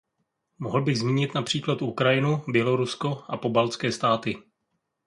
Mohl bych zmínit například Ukrajinu, Bělorusko a pobaltské státy.